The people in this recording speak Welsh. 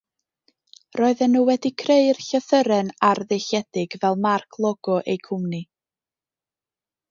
Roedden nhw wedi creu'r llythyren arddulliedig fel marc logo eu cwmni.